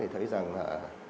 thì thấy rằng là